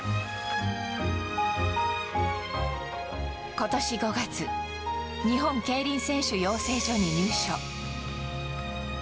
今年５月日本競輪選手養成所に入所。